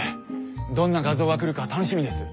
どんな画像が来るか楽しみです。